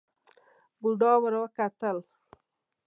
بوډا ور وکتل.